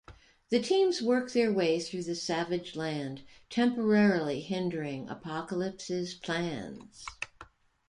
The teams work their way through the Savage Land, temporarily hindering Apocalypse's plans.